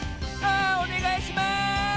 あおねがいします！